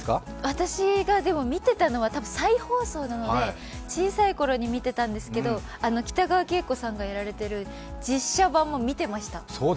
私が見てたのは再放送なので、小さい頃に見てたんですけど、北川景子さんがやられている実写版も見てました。